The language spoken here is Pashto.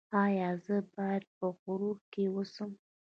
ایا زه باید په غور کې اوسم؟